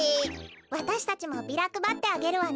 わたしたちもビラくばってあげるわね。